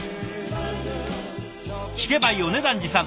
聞けば米團治さん